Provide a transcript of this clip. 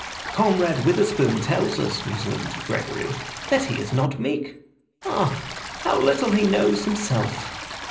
"Comrade Witherspoon tells us," resumed Gregory, "that he is not meek. Ah, how little he knows himself!